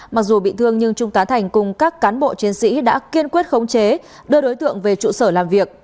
mặc dù bị thương nhưng trung tá thành cùng các cán bộ chiến sĩ đã kiên quyết khống chế đưa đối tượng về trụ sở làm việc